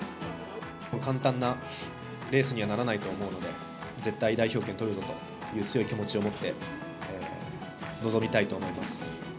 簡単なレースにはならないと思うので、絶対代表を取るぞという強い気持ちを持って臨みたいと思います。